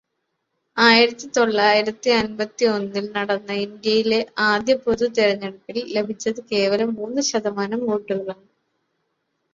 ആയിരത്തി തൊള്ളായിരത്തി അമ്പതിയൊന്നില് നടന്ന ഇന്ത്യയിലെ ആദ്യ പൊതുതെരെഞ്ഞെടുപ്പില് ലഭിച്ചത് കേവലം മൂന്ന് ശതമാനം വോട്ടുകളാണ്.